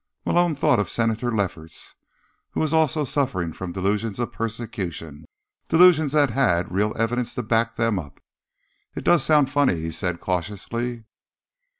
Malone thought of Senator Lefferts, who was also suffering from delusions of persecution, delusions that had real evidence to back them up. "It does sound funny," he said cautiously.